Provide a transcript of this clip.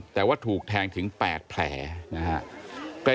แต่ว่าถูกแทงถึง๘แผลนะครับ